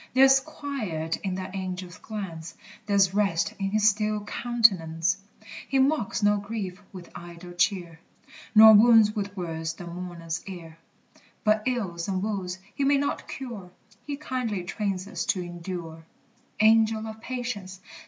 There's quiet in that Angel's glance, There's rest in his still countenance! He mocks no grief with idle cheer, Nor wounds with words the mourner's ear; But ills and woes he may not cure He kindly trains us to endure. Angel of Patience!